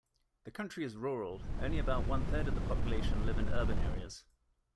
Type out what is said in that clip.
The country is rural: only about one-third of the population live in urban areas.